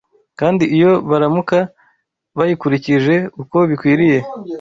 kandi iyo baramuka bayikurikije uko bikwiriye